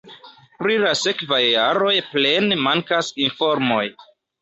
Pri la sekvaj jaroj plene mankas informoj.